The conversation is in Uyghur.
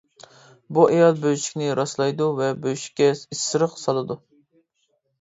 بۇ ئايال بۆشۈكنى راسلايدۇ ۋە بۆشۈككە ئىسرىق سالىدۇ.